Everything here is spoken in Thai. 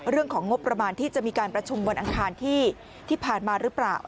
เรื่องของงบประมาณที่จะมีการประชุมวันอังคารที่ผ่านมาหรือเปล่า